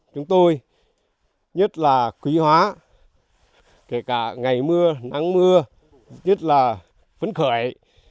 chúng tôi nhất là quý hóa kể cả ngày mưa nắng mưa nhất là vấn khởi